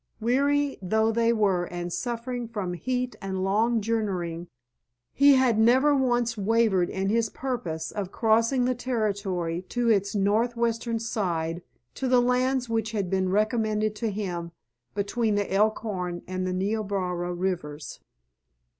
Weary though they were, and suffering from heat and long journeying, he had never once wavered in his purpose of crossing the Territory to its northwestern side, to the lands which had been recommended to him between the Elkhorn and the Niobrara Rivers.